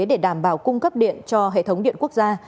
để đảm bảo cung cấp điện cho hệ thống điện quốc gia